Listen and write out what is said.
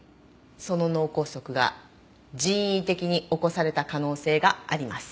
その脳梗塞が人為的に起こされた可能性があります。